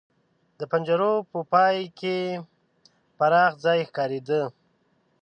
د پنجرو په پای کې پراخ ځای ښکارېده.